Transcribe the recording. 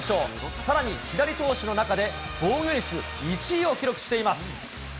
さらに左投手の中で防御率１位を記録しています。